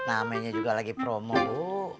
am nya juga lagi promo bu